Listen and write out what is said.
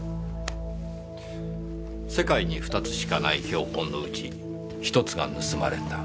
世界に２つしかない標本のうち１つが盗まれた。